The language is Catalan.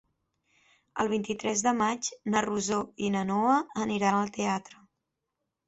El vint-i-tres de maig na Rosó i na Noa aniran al teatre.